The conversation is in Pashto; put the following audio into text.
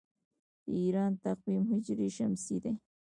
د ایران تقویم هجري شمسي دی.